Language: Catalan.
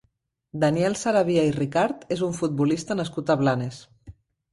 Daniel Sarabia i Ricart és un futbolista nascut a Blanes.